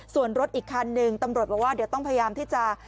ส่วนรถอีกคันหนึ่งตำรวจบอกว่าเดี๋ยวต้องพยายามที่จะ